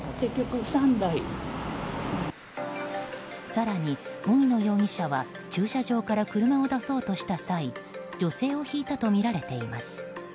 更に荻野容疑者は駐車場から車を出そうとした際女性をひいたとみられています。